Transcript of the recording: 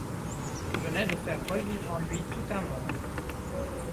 venait de faire revivre en lui tout un monde.